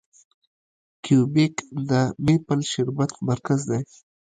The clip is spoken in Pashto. کیوبیک د میپل شربت مرکز دی.